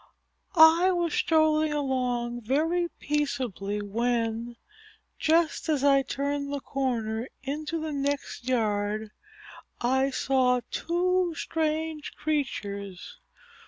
"I was strolling along very peaceably when, just as I turned the corner into the next yard, I saw two strange creatures.